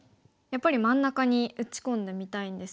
やっぱり真ん中に打ち込んでみたいんですが。